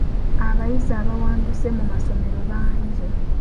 Abayizi abawanduse mu masomero bangi.